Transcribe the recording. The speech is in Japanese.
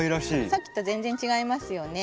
さっきと全然違いますよね。